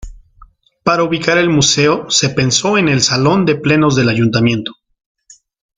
Para ubicar el museo se pensó en el salón de Plenos del Ayuntamiento.